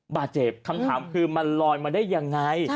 บาดเจ็บคำถามคือมันลอยมาได้ยังไง